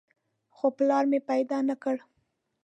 خو پلار مې پیدا نه کړ.